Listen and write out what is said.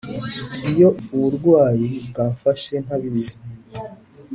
iyo uburwayi bwamfashe ntabizi.